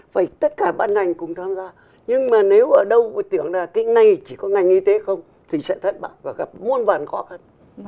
vậy tất cả bản ngành cũng tham gia nhưng mà nếu ở đâu tưởng là cái này chỉ có ngành y tế không thì sẽ thất bại và gặp muôn vạn khó khăn